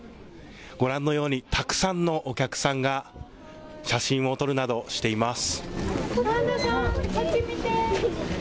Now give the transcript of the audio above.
ご覧のようにたくさんのお客さんが写真を撮るなどしています。